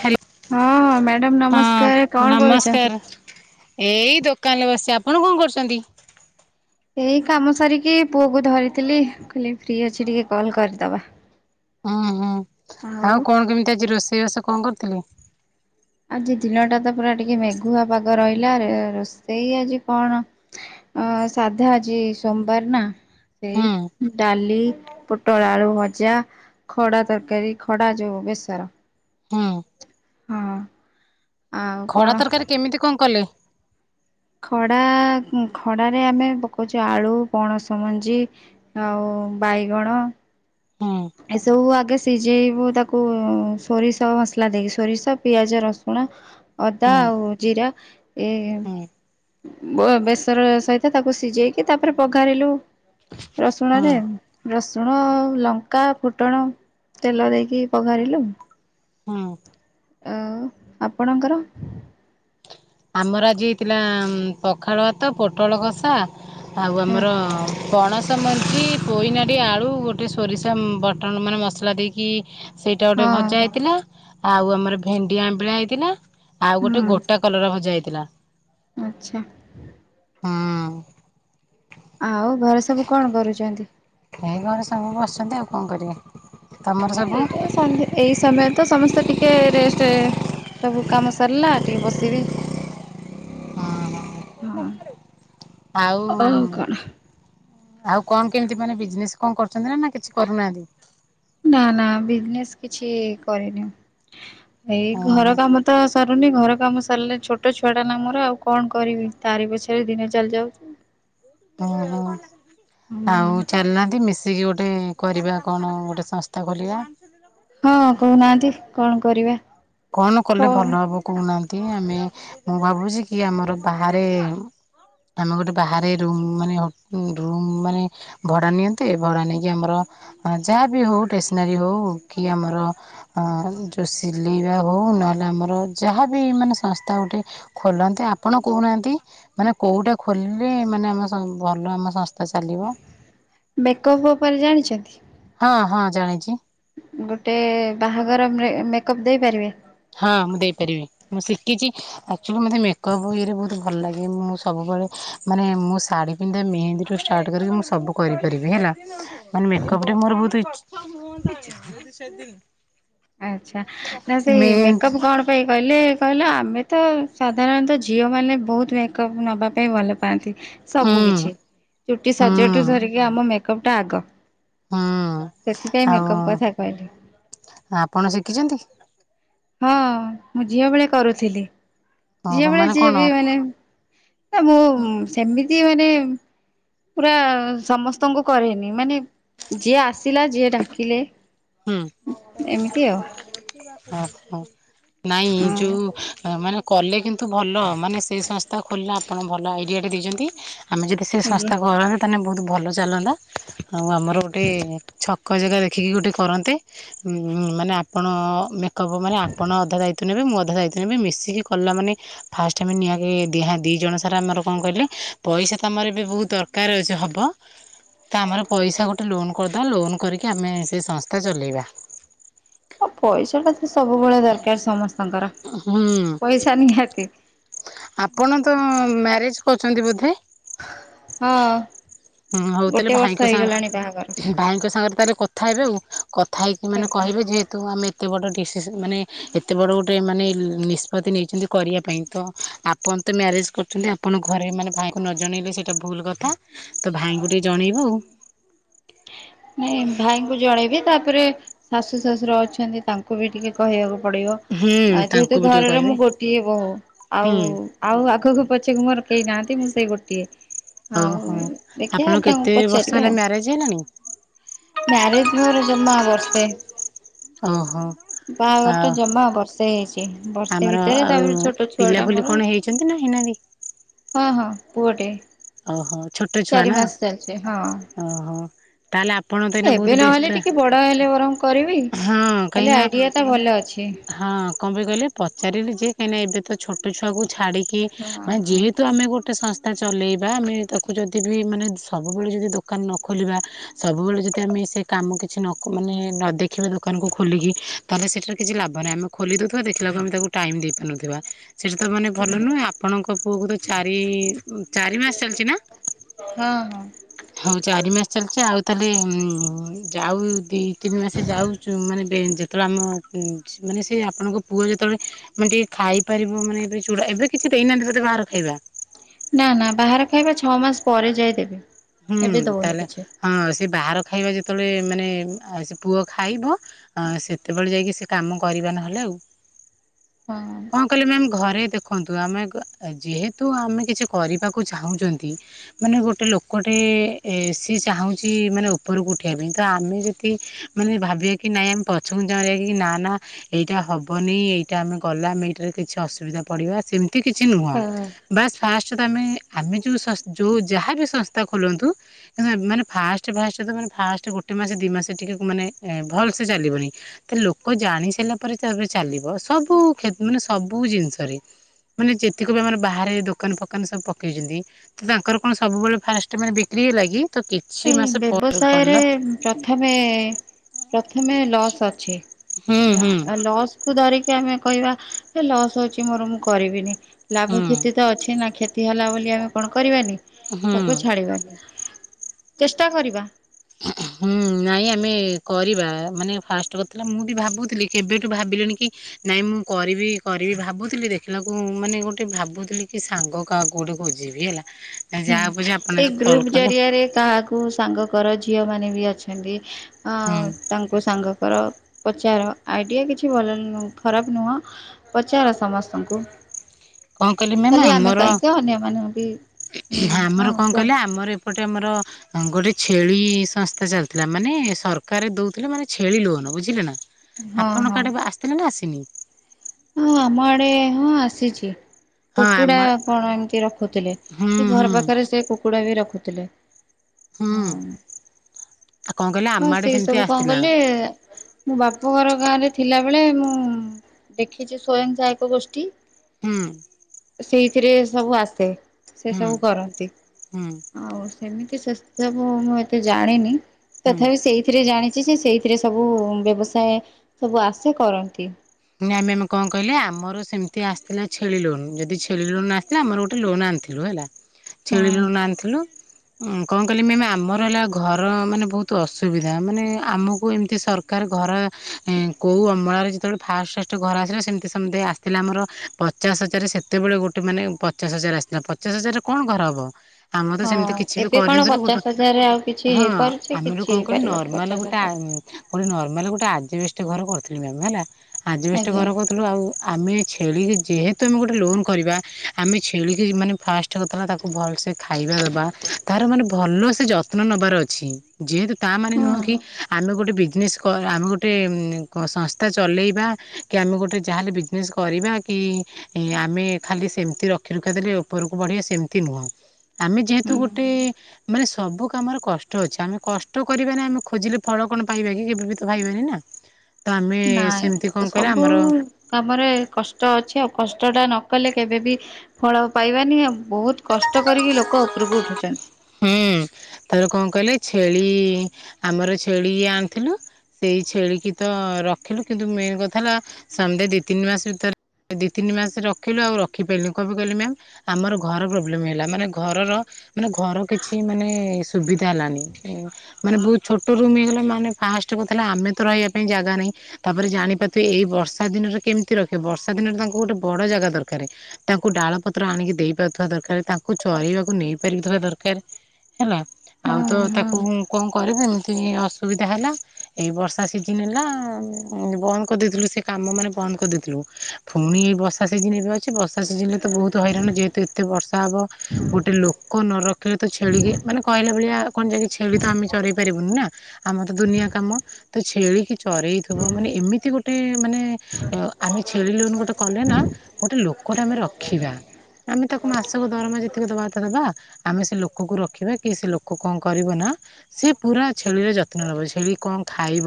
Hello ହଁ ହ madam ନମସ୍କାର, ହଁ କଣ ନମସ୍କାର। କରୁଛନ୍ତି? ଏଇ ଦୋକାନରେ ବସି ଆପଣ କଣ କରୁଛନ୍ତି। ଏଇ କାମ ସାରିକି ପୁଅ କୁ ଧରିଥିଲି। କହିଲି ଫ୍ରି ଅଛି ଟିକେ କଲ କରିଦବା। ହୁଁ ହୁଁ ଆଉ କଣ କେମିତି ଆଜି ରୋଷେଇବାସ? କଣ କରିଥିଲ? ଆଜି ଦିନଟା ତ ପୁରା ଟିକେ ମେଘୁଆ ପାଗ ରହିଲା। ରେ ରୋଷେଇ ଆଜି କଣ ଆ ସାଧା ଆଜି ସୋମବାର ନା। ହୁଁ ସେଇ ଡାଲି ପୋଟଳ ଆଳୁ ଭଜା, ଖଡା ତରକାରୀ। ଖଡା ଯୋଉ ବେସର। ହୁଁ। ହଁ। ଆଉ କଣ ଖଡା ତରକାରୀ କେମିତି କଣ କଲେ? ଖଡ଼ା ଖଡ଼ାରେ ଆମେ ପକାଉଛୁ ଆଳୁ, ପଣସମଞ୍ଜି, ଆଉ ବାଇଗଣ ହୁଁ ଏସବୁ ଆଗେ ସିଝେଇବୁ ତାକୁ-ଉ-ଉ ସୋରିଷ ମସଲା ଦେଇକି। ସୋରିଷ, ପିଆଜ, ରସୁଣ, ଅଦା, ହୁଁ ଆଉ ଜିରା ଏ ହୁଁ ବୋ ବେସର ସହିତ ତାକୁ ସିଝେଇକି ତାପରେ ବଘାରିଲୁ ହୁଁ ରସୁଣରେ ରସୁଣ-ଅ-ଅ ଲ କା ଫୁଟଣ ତେଲ ଦେଇକି ପଘାରିଲୁ। ହୁଁ ଉଁ ଆ ଆପଣଙ୍କର? ଆମର ଆଜି ହେଇଥିଲା ପଖାଳ ତ ପୋଟଳ କଷା ଆଉ ହଁ ଆମର ପଣସ ମଞ୍ଜି ପୋଇନାଡି ଆଳୁ ଗୋଟେ ସୋରିଷ ବଟନ୍ ମାନେ ମସଲା ଦେଇକି ସେଇଟା ଗୋଟେ ଭଜା ହଁ ହେଇଥିଲା। ଆଉ ଆମର ଭେଣ୍ଡି ଆମ୍ବିଳା ହେଇଥିଲା। ଆଉ ଗୋଟେ ଗୋଟା କଲର ଭଜ ଯାଇଥିଲା। ଆଛା। ଆଉ ଘରେ ସବୁ କଣ କରୁଛନ୍ତି। ଏଇ ଘରେ ସାଙ୍ଗ ବସିଛନ୍ତି ଆଉ କଣ କରିବେ। ତମର ହ ସବୁ ଏଇଟା ସନ୍ଧ୍ୟେ ଏଇ ସମୟର ତ ସମସ୍ତେ ଟିକେ ରେଷ୍ଟେ ସବୁ କାମ ସରିଲା ଟିକେ ବସିବେ ହଁ ହଁ। ଆଉ। ଆଉ କଣ କେମିତି ମାନେ ବିଜନେସ କଣ କରୁଛନ୍ତି ନା ନା କିଛି କରୁନାହାନ୍ତି। ନା ନା ବିଜନେସ କିଛି କରିନୁ। ଏଇ ଓହୋ ଘର କାମ ତ ସରୁନି ଘର। ମ ସରିଲେ ଛୋଟ ଛୁଆଟା ନା ମୋର ଆଉ କଣ କରିବି ତାରି ପଛରେ ଦିନ ଚାଲି ଯାଉଛି। ଓ ହୋ ହୁଁ ଆଉ ଚାଲ ନାହାନ୍ତି ମିଶ ସି କିି ଗୋଟେ କରିବା କଣ ଗୋଟେ ସଂସ୍ଥା ଖୋଲିବା। ହଁ କହୁନାହାନ୍ତି କଣ କରିବା। କଣ କ କଲେ ଭଲ ହବ କହୁନାହାନ୍ତି ଆମେ ମୁଁ ଭାବୁଛି କି ଆମର ବାହାରେ ଆମେ ଗୋଟେ ବାହାରେ ରୁ ମାନେ ରୁମ ମାନେ ଭଡା ନିଅନ୍ତେ ଭଡା ନେଇକି ଆମର ଯାହାବ ହଉ ଟେସନାରୀ ହଉ କି ଆମର ଯଉ ସି ବେଇବା ହଉ ନହେଲେ ଆମର ଯାହାବି ମାନେ ସଂସ୍ଥା ଗୋଟେ ଖୋଲନ୍ତି ଆପଣ କହୁନାହାନ୍ତି ମାନେ କୋଉଟା ଖୋଲିଲେ ମାନେ ଆମ ଭଲ ଆମ ସଂସ୍ ମେକପ ଉପରେ ଜାଣିଛନ୍ତି। ହଁ ହଁ ଜାଣିଛି। ଗୋଟେ ବାହାଘର ମେକଅପ ଦେଇପାରିବେ। ହଁ ମୁଁ ଦେଇପାରିବି ମୁଁ ଶିଖିଛି ଆକଚୁଲି ମତେ ମେକପ୍ ଇରେ ବହୁତ ଭଲ ଲାଗେ ମୁଁ ସବୁବେଳେ ମାନେ ମୁଁ ଶାଢୀ ପିନ୍ଧା ମେହେନ୍ଦୀଠୁ ଷ୍ଟାର୍ଟ କରିକି ମୁଁ ସବୁ କରିପାରିବି ହେଲା ମାନେ ମେକପ ମୋର ବହୁତ ଇ ଆଛା ନା ସେ ମେକଅପ କଣ ପାଇ? କହିଲେ କହିଲ ଆମେ ତ ସାଧାରଣତଃ ଝିଅମାନେ ବହୁତ ମେକଅପ୍ ନବା ପାଇଁ ଭଲ ପାଆନ୍ତି। ହୁଁ ସବୁ କିଛି ଚୁଟି ହୁଁ ସଜା ଠୁ ଧରିକି ଆମ ମେ କପଟା ଆଗ ହୁଁ ସେଥିପାଇଁ ଆଉ ମେକଅପ୍ କଥା କହିଲି ଆପଣ ସେ ଦେଖିଛନ୍ତି। ହଁ ମୁଁ ଝିଅ ବେଳେ କରୁଥିଲି। ଓହୋ ଝିଅ ବେଳେ ମାନେ ଯିଏ କଣ ବି ମାନେ। ମୁଁ ସେମି ଚି ମାନେ ପୁରା ସମସ୍ତଙ୍କୁ କରେନି ମାନେ ଯିଏ ଆସିଲା ଯିଏ ଡାକିଲେ। ହୁଁ ଏମିତି ଆଉ ଓ ହୋ। ନାଇଁ ହଁ ଯୋଉ ମାନେ। କଲେ କିନ୍ତୁ ଭଲ ମାନେ ସେଇ ସଂସ୍ଥା ଖୋଲିଲା ଆପଣ ଭଲ ଆଇଡିଆଟେ ଦେଇଛନ୍ତି। ଆମେ ଯଦି ସେ ଆଜ୍ଞା। ସଂସ୍ଥା କରନ୍ତେ ତାହେଲେ ବହୁତ ଭଲ ଚାଲନ୍ତା ଆଉ ଆମର ଗୋଟେ ଛକ ଜାଗା ଦେଖିକି ଗୋଟେ କରନ୍ତେ ମାନେ ଆପଣ ଆପଣ ଅଧା ଦାୟିତ୍ୱ ମୁଁ ଅଧା ଦାୟିତ୍ୱ ନେବି ମିଶିକି କଲା ମାନେ ଫାଷ୍ଟ ଆମେ ନିହା ଦି ଜଣ ସାରା ଆମର କଣ କହିଲେ ପଇସା ତମର ବି ବହୁତ ଦରକାର ହବ ତ ଆମର ପଇସା ଗୋଟେ ଲୋନ କରିଦବା ଲୋନ କରିକି ଆମେ ସେ ସଂସ୍ଥା କଥା ଚଲେଇବା। ପଇସା ଦରକାର ସମସ୍ତଙ୍କର ହୁଁ ପଇସା ନିହାତି କିଛି କହୁଛନ୍ତି ବୋଧେ? ହୁଁ। ହୁଁ ହଉ ତାହେଲେ ଭାଇଙ୍କ ସାଙ୍ଗ ବାହାଘର ଭାଇଙ୍କ ସାଙ୍ଗରେ ତାଲେ କଥା ହେବେ ଆଉ କଥା ହେଇକି ମାନେ ଆଜ୍ଞା। କହିବେ ଯେହେତୁ ଆମେ ଏତେ ବଡ ମାନେ ଏତେ ବଡ଼ ଗୋଟେ ମାନେ ନିଷ୍ପତ୍ତି ନେଇଛନ୍ତି କରିବା ପାଇଁ ତ ଆପଣ ତ ମ୍ୟାରେଜ କରୁଛନ୍ତି ଆପଣଙ୍କ ଘରେ ମାନେ ଭାଇଙ୍କୁ ନ ଜଣେଇଲେ ସେଇଟା ଭୁଲ କଥା ତ ଭାଇଙ୍କୁ ଟିକେ ଜଣେଇବ ନାଇଁ ଭାଇଙ୍କୁ ଜଣେଇବି ତା ତାରେ ଶାଶୁ ଶଶୁର ଅଛନ୍ତି ତାଙ୍କୁ ବି ଟିକେ କହିବାକୁ ଆଉ ହୁଁ ପ ତାଙ୍କୁ ଯେହେତୁ ବି ଟିକେ ଘରର କହିବେ ମୁଁ ଗୋଟିଏ ବୋହୁ ଆଉ ହୁଁ ଆଉ ଆଗକୁ ଏଠି ମୋର କେହି ନାହାନ୍ତି ମୁଁ ସେଇ ଗୋଟିଏ। ହଉ। ଓହୋ ଆପଣ ଦେଖିବା ତାଙ୍କୁ କେତେ ବର୍ଷ ପଚାରିବା ହେଲା ଆଉ ମ୍ୟାରେଜ ହେଲାଣି ମ୍ୟାରେଜ ମୋର ଜମା ଅଠ ନମସ୍ତେ ଓହୋ [inaudible] ଆଉ ବାହାଘରଟା ଜମା ବର୍ଷେ ହେଇଛି ବର୍ଷେ ଆମର ଭିତରେ ଆଉ ତାପରେ ଛୋଟ ଛୁଆ ଟା ପିଲାପୁଲି ମୋର କଣ ହେଇଛନ୍ତି ନା ହେଇନାହାନ୍ତି ହଁ ହଁ। ପୁଅଟେ। ଓ ହୋ। ଚାରି ମାସ ଚାଲିଛି ହଁ। ଓହୋ ତାହେଲେ ଆପଣ ତ ଏଇନା ବହୁତ ଏବେ ବ୍ୟସ୍ତ ନହେଲେ ଟିକେ ବଡ ହେଲେ ବରଂ କରିବ। ହଁ କାହିଁକିନା ଅଛି। ହଁ କଣ ପାଇଁ କହିଲେ ପଚାରିଲି ଯେ କାଇଁ ଏବେ ତ ଛଟ ଛୁଆକୁ ଛାଡିକି ହଁ ମାନେ ହଁ ଯେହେତୁ ଆମେ ଗୋଟେ ସଂସ୍ଥା ତା ଚଲେଇବା ଆମେ ତାକୁ ଯଦି ବି ମାନେ ସବୁବେଳେ ଯଦି ଦୋକାନ ନ ଖୋଲିବା ସବୁବେଳେ ଯଦି ଆମେ ସେ କାମ କିଛି ନ ମାନେ ନ ଦେଖି ଦେଖ ଦୋକାନକୁୁ ଖଲିକି ତାହଲେ ସେଟାରେ କିଛି ଲାଭ ନାହିଁ ଆମେ ଖୋଲି ଦେଉଥିବା ଦେଖିଲାକୁ ଆମେ ତାକୁ ଟାଇମ ଦେଇପାରୁନଥିବା। ସେଇଟା ତ ମାନେ ଭଲ ନୁହେଁ ଆପଣଙ୍କୁ ମୋ ପୁଅ କୁ ତ ଚାରି ଚାରି ମାସ ଚାଲିଛି ନା ହଁ ହଁ। ହଉ ଚାରି ମାସ ଚାଲିଛି ଆଉ ତାହେଲେ ଯାଉ ଦି ତିନି ମାସ। ସେ ଯାଉଛୁ ମାନେ ଯେତେବେଳେ ଆମ ମାନେ ସେ ଆପଣଙ୍କ ପୁଅ ଯେତେବେଳେ ମାନେ ଟିକେ ଖାଇପାରିବ ମାନେ ଏ ଚୁଡା ଏବେ କିଛି ଦେଇନାହାନ୍ତି ମତେ ବାହାର ଖାଇବା। ନା ନା ବାହାର ଖାଇବା ଛଅ ମାସ ପରେ ଯାଇଦେବି। ହୁଁ ତାହଲେ ହଁ ସେ ବାହାର ଖାଇବା ଯେତେବେଳେ ମାନେ ପୁଅ ଖାଇବ ସେତେବେଳେ ଯାଇକି ସେ କାମ କରିବା ନହେଲେ ଆଉ। ହଁ। କଣ କହିଲ ମ୍ୟା ଘରେ ଦେଖନ୍ତୁ ଆମେ ଯେହେତୁ ଆମେ କିଛି କରିବାକୁ ଚାହୁଁଛନ୍ତି ମାନେ ଗୋଟେ ଲୋକ ଗୋଟେ ସିଏ ଚାହୁଁଛି ମାନେ ଉପରକୁ ଉଠିବା ପାଇଁ ତ ଆମେ ଯଦି ମାନେ ଭାବିବା କି ନାଇଁ ଆମେ ପଛକୁ ଚାହୁଁିବା କି ନା ନା ଏଇଟା ହେବନି ଏଇଟା ଆମେ ଗଲାେ ଏଇଟାରେ କିଛି ଅସୁବିଧା ପଡ଼ିବା ସେମିତି କିଛି ନୁହଁ ହଁ। ବସ୍ ଫା ତାତ ଆମେ ଆମେ ଯେଉଁସ୍ ଯେଉଁ ଯାହାବି ସଂସ୍ ତ ଖୋଲନ୍ତୁ ଏ ମାନେ ଫାଷ୍ଟ ଫାଷ୍ଟ ତ ମାନେ ଫାଷ୍ଟେ ଗୋଟେ ମାସ ଦିମାସ ଟିକେ ମାନେ ଭଲ୍ ସେ ଚାଲିବନି ତ ଲୋକ ଜାଣିସଇଲା ପରେ ତାପରେ ଚାଲିବ ସବୁ କ୍ଷେ ମାନେ ସବୁ ଜିନଷ ରେ ମାନେ ଯେତିକ ବି ଆମର ବାହାରେ ସବୁ ଦୋକାନ ଫୋକାନ ପକେଇଚନ୍ତି ତ ତାଙ୍କର କଣ ସବୁବେଳେ ଫାସ ମାନେ ବିକ୍ରି ହେ ଲାଗି। ଏ ବ୍ୟବସାୟରେ ପ୍ରଥମେ ପ୍ରଥମେ ଲସ୍ ଅଛି ହୁଁ ହେଲା ହୁଁ ଆ ଲସ୍କୁୁ ଧରିକି ଆମେ କହିବା ଲସ୍ ଅଛି ମୋର ମୁଁ କରିବିନି ହୁଁ ଲାଭ କ୍ଷତି ତ ଅଛି ନା କ୍ଷ ହେଲା ବୋଲି ଆମେ କଣ କରିବାନି। ହୁଁ ତାକୁ ଛାଡ଼ିବ। ଚେଷ୍ଟା କରିବା। ହୁଁ ନାଇଁ ଆମେ କରିବା ମାନେ ଫାଷ୍ଟ କଥାଥିଲା ମୁଁ ବି ଭାବୁଥିଲି କେବେଠୁ ଭାବିଲିଣି କି ନାଇଁ ମୁଁ କରିବି କରିବି ଭାବୁଥିଲି ଦେଖିଲାକୁ ମାନେ ଗୋଟେ ଭାବୁଥିଲି କି ସାଙ୍ଗ କାହାକୁ ଗୋଟେ ଖୋଜିବି ହେଲା ଯାହା ବୁଝା ଆପଣ ଏଇ ଆଜି କଲ୍ ଗ୍ରୁପ କଲେ ଜରିଆରେ କାହାକୁ ସାଙ୍ଗ କରଛି। ଝିଅମାନୋନ ବି ଅଛନ୍ତି। ଆଉ ହୁଁ ତାଙ୍କୁ ସାଙ୍ଗ କର। ପଚାର ଆଇଡିଆ କିଛି ଭଲ ଖରାପ ନୁହଁ ପଚାର ସମସ୍ତଙ୍କୁ। କଣ କହିଲେ ମ୍ୟାମ୍ ଖାଲି ଆମେ ଆମର କାହିଁକି ଅନ୍ୟ ମାନଙ୍କୁ ବି ହୁଁ ହଁ। କହିଲ କୁହନ୍ତୁ ଆମର ଏପଟେ ଆମର ଗୋଟେ ଛେଳି ସଂସ୍ଥା ଚାଲିଥିଲା ମାନେ ସରକାର ଦଉଥିଲେ ମାନେ ଛେଳି ଲୋନ ବୁଝିଲେ ନା। ହଁ ଆପଣଙ୍କ ହଁ କାଡେ ଆସିଥିଲେ ନା ଆସ ତିନି। ହଁ ଆମ ଆଡେ ହଁ ଆସିଚି। ହଁ ଆମ କୁକୁଡା କଣ ଏମତି ରଖୁଥିଲେ ହୁଁ ସେ ଘର ହୁଁ ପାଖରେ ସେ କୁ କୁକୁଡ଼ା ବି ରଖୁଥିଲେ। ହଁ ହୁଁ ଆଉ କଣ କହିଲେ ଆମ ହଁ ଆଡେ ସେଇ ସେମିତି ସବୁ କଣ ଆସିଥିଲା କଲେ ମୁଁ ବାପ ଘର ଗାଁ ରେ ଥିଲା ବେଳେ ମୁଁ ଦେଖିଛି ସ୍ଵୟଂସହାୟ ଏକ ଗୋଷ୍ଠୀ। ହୁଁ।। ସେଇଥିରେ ସବୁ ଆସେ ସେ ହୁଁ ସବୁ କରନ୍ତି ହୁଁ ଆଉ ସେମିତି ସବୁ ମୁଁ ଏତେ ଜାଣିନି। ହୁଁ ତଥାପି ସେଇଥିରେ ଜାଣି ସେ ସେଇଥିରେ ସବୁ ବ୍ୟବସାୟ ସବୁ ଆସେ କରନ୍ତି। ଆମେ ଆମେ କଣ କହିଲେ ଆମର ସେମିତି ଆସିଥିଲା ଛେଳି ଲୋନ ଯଦି ଛେଳି ଲୋନ ଆସିଥିଲା ଆମର ଗୋଟେ ଲୋନ ଆଣିଥିଲୁ ହେଲା। ଛେଳିି ହଁ ଲୋନ ଆଣିଥିଲୁ। କଣ କହିଲି ମ୍ୟାମ୍ ଆମର ହେଲା ଘର ମାନେ ବହୁତ ଅସୁବିଧା ମାନେ ଆମକୁ ଏମତି ସରକାର ଘର କୋଉ ଅମଳରେ ଯେତେବେଳେ ଫାଷ୍ଟ ଫାଷ୍ଟ ଘର ଆସିଲା ସେମିତି ସେମିତି ଆସିଥିଲା ଆମର ପଚାଶ ହଜାର ସେତେବେଳେ ଗୋଟେ ମାନେ ପଚାଶ ହଜାର ଆସିଥିଲା ପଚାଶ ହଜାରରେ କଣ ଘର ହବ? ଆମର ସେମିତି ହଁ କିଛି ବି ଏବେ କଣ କରିନଥିଲୁ ଗୋଟେ ପଚାଶ ହଜାରରେ ଆଉ କିଛି ହଁ ହେଇପାରୁଛି ଆମେଠୁ କିଛି କଣ କୁ ହେଇପାରିବନି ନର୍ମାଲ ପଚାଶ ଗୋଟେ ହଜାର ଗୋଟେ କହିଲା ଗୋଟେ ଆଜବେଷ୍ଟ ଘର କରିଥିଲି ମ୍ୟାାମ ହେଲା ଆଜବେଷ୍ଟ ଆଜ୍ଞା ଘର କହୁଥିଲୁ ଆଉ ଆମେ ଛେଳି ଯେହେତୁ ଆମେ ଗୋଟେ ଲୋନ କରିବା ଆମେ ଛେଳିିକ ମାନେ ଫାଷ୍ଟ କଥା ହେ ତାକୁ ଭଲସେ ଖାଇବା ଦବା ତାର ମାନେ ଭଲ ସେ ଯତ୍ନ ନବାର ଅଛି ଯେହେତୁ ତା ମାନେ ନୁହେଁ କି ହଁ ଆମେ ଗୋଟେ ବିଜନେସ୍ ଆମେ ଗୋଟେ କ ସଂସ୍ଥା। ଚଲେଇବା କି ଆମେ ଗୋଟେ ଯାହାହେଲେ ବିଜନେସ୍ କରିବା କି ଆମେ ଖାଲି ସେମିତି ରଖିରୁଖା ଦେଲେ ଉପରକୁ ବଢ଼ିବା ସେମିତି ନୁହଁ। ଆମେ ଯେହେତୁ ଗୋଟେ ହୁଁ ମାନେ ସବୁ କାମର କଷ୍ଟ କଷ୍ଟ ଅଛି ଆମେ କଷ୍ଟ କରିବା ନା ଆମେ ଖୋଜିଲେ ଫଳ କଣ ପାଇବା କି କେବେ ବି ତ ପାଇବାନି ନା ତ ଆମେ ସେମିତି ନଁ କଣ କହିଲେ ସବୁ ଆମର କାମରେ କଷ୍ଟ ଅଛି ଆଉ କଷ୍ଟ କଷ୍ଟ ଟା ନ କଲେ କେବେ ବିି ଫଳ ପାଇବାନି ଆଉ ବହୁତ କଷ୍ଟ କରିକି ଲୋକ ଉପରକୁ ଉଠୁଛନ୍ତି। ହିଁ ତାପରେ କଣ କହିଲେ ଛେଳି ଆମର ଛେଳି ଆଣିଥିଲୁ ସେଇ ଛେଳି କୁ ତ ରଖିଲୁ ହେଲେ ମେନ୍ କଥା ହେଲା ସନ୍ଧ୍ୟେ ଦିଇ ତିନି ମାସ ଭିତରେ ଦିଇ ତିନି ମାସ ରଖିଲୁ ଆଉ ରଖିପାରିଲି କଣ ବି କହିଲି ମ୍ୟାମ୍ ଆମର ଘର ପ୍ରୋବ୍ଲେମ ହେଲା ମାନେ ଘରର ମାନେ ଘର କିଛି ମାନେ ସୁବିଧା ହେଲାନି ମାନେ ବହୁତ ଛୋଟ ରୁମ୍ ହେଇଗଲା ମାନେ ଫାଷ୍ଟ କଥା ହେ ଆମେ ତ ରହିବା ପାଇଁ ଜାଗା ନାହିଁ ତାପରେ ଜାଣିପାରୁଥିବେ ଏଇ ବର୍ଷା ଦିନରେ କେମିତି ରଖିବେ ବର୍ଷା ଦିନରେ ତାଙ୍କୁ ଗୋଟେ ବଡ ଜାଗା ଦରକାର ତାଙ୍କୁ ଡାଳ ପତ୍ର ଆଣିକି ଦେଇପାରୁଥିବା ଦରକାର ତାଙ୍କୁ ଚରେଇବାକୁ ନେଇ ପାରିଥିବା ଦରକାର। ର ହେଲା ଆଉ ହଁ ତ ତାକୁ ହଁ କଣ କରିବି ଏମିତି ଅସୁବିଧା ହେଲା ଏଇ ବର୍ଷା ସିଜିନ ହେଲା ବନ୍ଦ କରିଦେଇଥିଲୁ ସେ କାମ ମାନେ ବନ୍ଦ କରିଦେଇଥିଲୁ ପୁଣି ଏଇ ବର୍ଷା ସିଜିନ ଏବେ ଅଛି ବର୍ଷା ସିଜିନ ରେ ତ ବହୁତ ହଇରାଣ ଯେହେତୁ ଏତେ ବର୍ଷା ହବ ଗୋଟେ ଲୋକ ନରଖ। ତ ଛେଳିିକି ମାନେ କହିଲା ଭଳିଆ କଣ ଯାଇକି ଛେଳି ତ ଆମେ ଚରେଇ ପାରିବୁନି ନା ଆମର ତ ଦୁନିଆ କାମ ତ ଛେଳିିକି ଚରେଇଥିବ ମାନେ ଏମିତି ଗୋଟେ ମାନେ ଆମେ ଛେଳିି ଲୁନ ଗୋଟେ କଲେ ନା ଗୋଟେ ଲୋକ ଗୋଟେ ଆମେ ରଖିବା ଆମେ ତାକୁ ମାସକ ଦରମା ଯେତିକି ଦବା କଥା ଦବା ଆମେ ସେ ଲୋକକୁ ରଖିବା କି ସେ ଲୋକ କଣ କରିବ ନା ସେ ପୁରା ଛଳିର ଯତ୍ନ ନେବ ଛେଳି କଣ? ଖାଇବ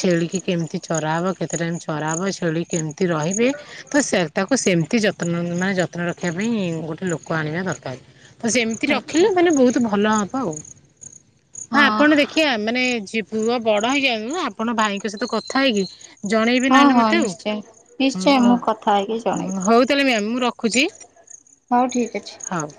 ଛେଳିିକି କେମିତି ଚରାହବ କେତେ ଟାଇମ ଚରାହବ ଛେଳି କେମିତି ରହିବେ ତ ସେ ତାକୁ ସେମିତି ଯତ୍ନ ମାନେ ଯତ୍ନ ରଖିବା ପାଇଁ ଗୋଟେ ଲୋକ ଆଣିବା ଦରକାର। ତ ସେ ଏମିତି ରଖିଲେ ଆଚ୍ଛା ମାନେ ବହୁତ ଭଲ ହବ୍ ପାଉ ହଁ ଆପଣ ଦେଖିବା ମାନେ ପୁଅ ବଡ ହେଇଯାଆନ୍ତୁ ଆପଣ ଭାଇଙ୍କ ସହିତ କଥା ହେଇକି ଜଣେଇବେ ହଁ ନହେଲେ ହଁ ମତେ ନିଶ୍ଚୟ ନିଶ୍ଚୟ ଆଉ ମୁଁ କଥା ହେଇକି ଜଣେଇବି ହଉ ତାହେଲେ ମ୍ୟାମ୍, ମୁଁ ରଖୁଛି ହଉ ଠିକ୍ ଅଛି। ହଉ।